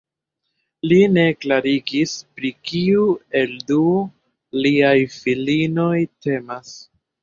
Li ne klarigis pri kiu el du liaj filinoj temas.